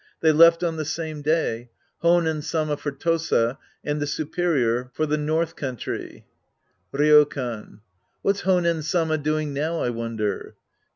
They left on the same day, Honen Sama for Tosa and the superior for the i or;h country. Ryokan. What's Honen Sama doing now, I wonder?